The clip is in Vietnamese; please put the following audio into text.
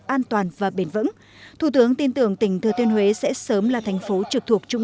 an toàn và bền vững thủ tướng tin tưởng tỉnh thừa thiên huế sẽ sớm là thành phố trực thuộc trung